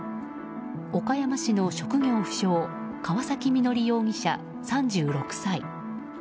岡山市の職業不詳川崎農容疑者、３６歳。